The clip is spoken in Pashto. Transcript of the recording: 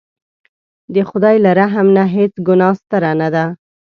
د خدای له رحم نه هېڅ ګناه ستره نه ده.